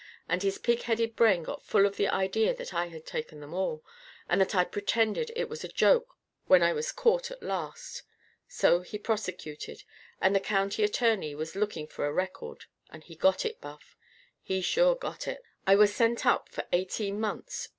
And his pig headed brain got full of the idea I had taken them all, and that I'd pretended it was a joke when I was caught at last. So he prosecuted. And the county attorney was looking for a record. And he got it, Buff. He sure got it. "I was sent up for eighteen months.